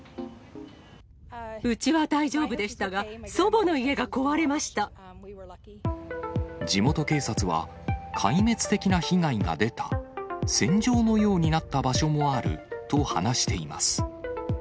うちは大丈夫でしたが、地元警察は、壊滅的な被害が出た、戦場のようになった場所もあると話しています。